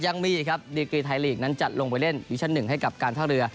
ยังมีดีเกรียร์ไทยนั้นจัดลงไปเล่นหญุงชั่นหนึ่งให้กับการท่าเรือ